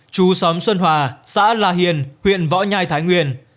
chú xóm xuân hòa xã la hiền huyện võ nhai thái nguyên